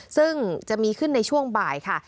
ซึ่งจะมีขึ้นในช่วงบ่ายค่ะ